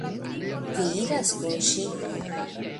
Vi iras kun ŝi.